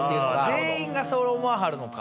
全員がそう思わはるのか。